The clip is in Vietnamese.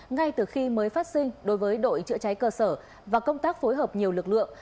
ngay từ khi mới phát sinh đối với đội chữa cháy cơ sở và công tác phối hợp nhiều lực lượng